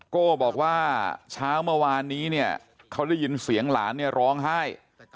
โก้บอกว่าเช้าเมื่อวานนี้เขาได้ยินเสียงหลานร้องไห้